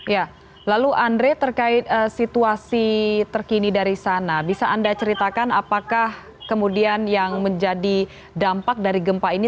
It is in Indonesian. ya lalu andre terkait situasi terkini dari sana bisa anda ceritakan apakah kemudian yang menjadi dampak dari gempa ini